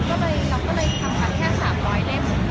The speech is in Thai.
เราก็เลยทำกันแค่๓ล้อเล่ม